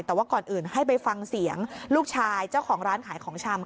แต่ว่าก่อนอื่นให้ไปฟังเสียงลูกชายเจ้าของร้านขายของชำ